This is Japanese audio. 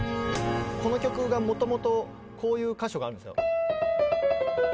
この曲がもともとこういう箇所があるんです。